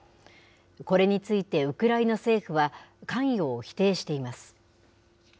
これについてウクライナ政府は、関与を否定しています。